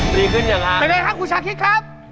ดีขึ้นอย่างไรครับเป็นไงครับคุณชาติคิดครับ